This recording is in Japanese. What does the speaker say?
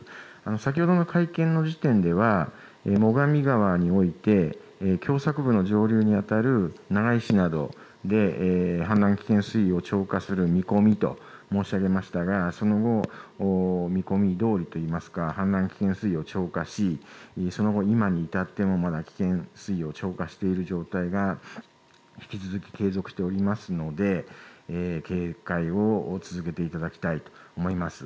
先ほどの会見時点では最上川において狭さく部の上流に当たる長井市などで氾濫危険水位を超過する見込みと申し上げましたがその見込み通りといいますか氾濫危険水位を超過しその後、今に至っても危険水位を超過している状態が引き続き継続していますので警戒を続けていただきたいと思います。